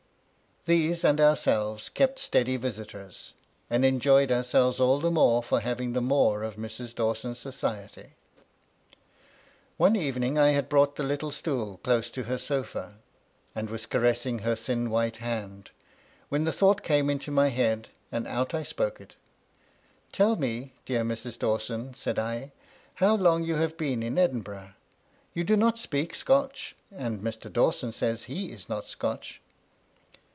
These and ourselves kept steady visitors, and enjoyed ourselves all the more for having the more of Mrs. Dawson's society. One evening I had brought the little stool dose to her 80&, and was caressing her thin white hand, when the thought came into my head and out I spoke it Tell me, dear Mrs. Dawson," said I, ^ how long you have been in Edinburgh ; you do not speak Scotch, and Mr. Dawson says he is not Scotch."